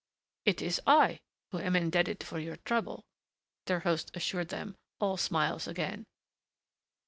"It is I who am indebted for your trouble," their host assured them, all smiles again.